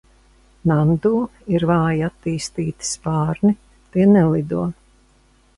Nandu ir vāji attīstīti spārni, tie nelido.